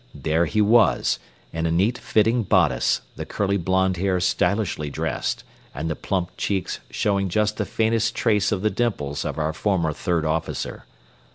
There he was, in a neat fitting bodice, the curly blond hair stylishly dressed, and the plump cheeks showing just the faintest trace of the dimples of our former third officer.